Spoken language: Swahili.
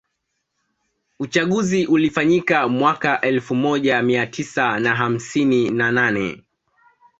Uchaguzi ulifanyika mwaka elfu moja Mia tisa na hamsini na nane